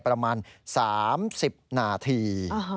ประมาณ๓๐นาที